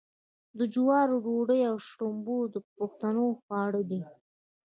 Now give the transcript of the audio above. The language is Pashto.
د جوارو ډوډۍ او شړومبې د پښتنو خواړه دي.